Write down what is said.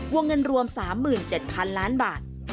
วงเงินรวม๓๗๐๐๐ล้านบาท